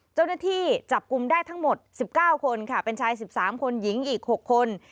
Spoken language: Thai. เจ้าหน้าที่จับกลุ่มได้ทั้งหมด๑๙คนค่ะเป็นชาย๑๓คนหญิงอีก๖คน